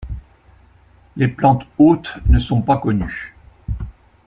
Les plantes-hôtes ne sont pas connues.